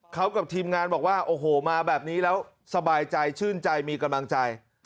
เขากับทีมงานบอกว่าโอ้โหมาแบบนี้แล้วสบายใจชื่นใจมีกำลังใจ